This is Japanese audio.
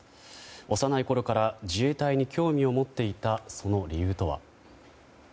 幼いころから自衛隊に興味を持っていた、その理由とは。